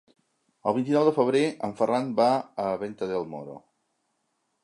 El vint-i-nou de febrer en Ferran va a Venta del Moro.